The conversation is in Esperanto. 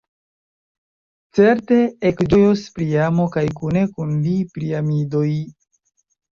Certe, ekĝojos Priamo kaj kune kun li Priamidoj.